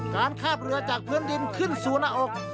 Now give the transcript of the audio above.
การคาบเรือจากพื้นดินขึ้นสู่หน้าอก